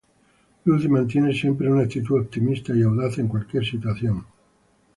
Lucy mantiene siempre una actitud optimista y audaz, en cualquier situación.